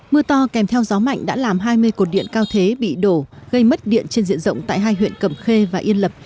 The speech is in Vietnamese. mưa to kèm theo gió mạnh đã làm hai mươi cột điện cao thế bị đổ gây mất điện trên diện rộng tại hai huyện cầm khê và yên lập